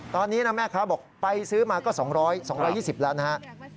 ตอนนี้นะแม่ค้าบอกไปซื้อมาก็๒๐๐๒๒๐แล้วนะครับ